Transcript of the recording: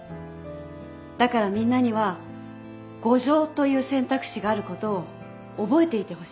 だからみんなには互譲という選択肢があることを覚えていてほしい。